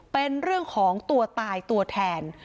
เป็นเรื่องของตัวตายตัวแทน